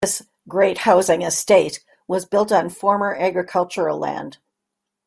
This "Great Housing Estate" was built on former agricultural land.